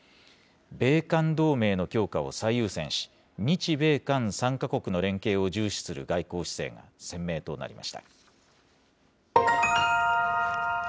米韓同盟の強化を最優先し、日米韓３か国の連携を重視する外交姿勢が鮮明となりました。